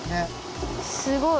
すごい！